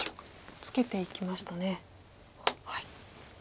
ツケていきましたね。